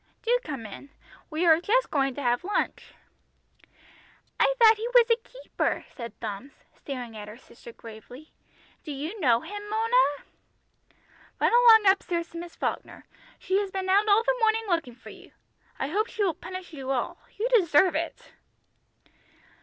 Do come in. We are just going to have lunch." "I thought he was a keeper," said Bumps, staring at her sister gravely. "Do you know him, Mona?" "Run along up stairs to Miss Falkner. She has been out all the morning looking for you. I hope she will punish you all. You deserve it."